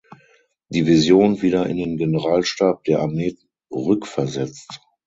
Division wieder in den Generalstab der Armee rückversetzt.